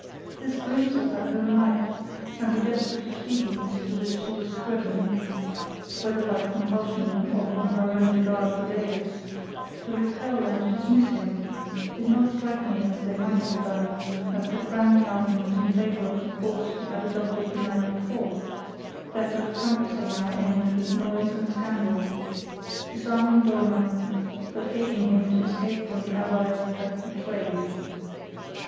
This glimpse of her home life, and the desperate expedients to which she was driven (whether by compulsion or from her own regard for Davies) to repel and dismiss him, did not strike me as they might have done as the crowning argument in favour of the course we had adopted the night before, that of compassing our end without noise and scandal, disarming Dollmann, but aiding him to escape from the allies he had betrayed.